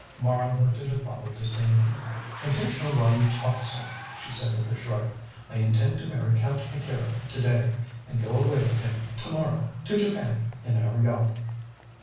Mara looked at her father disdainfully. "I don't know why you talk so," she said with a shrug. "I intend to marry Count Akira to day, and go away with him to morrow, to Japan in our yacht."